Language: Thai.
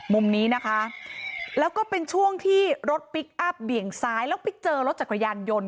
มุมนี้นะคะแล้วก็เป็นช่วงที่รถพลิกอัพเบี่ยงซ้ายแล้วไปเจอรถจักรยานยนต์